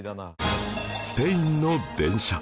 スペインの電車